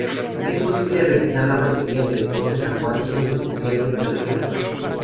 Es posible realizar la mayoría de deportes acuáticos, especialmente la vela.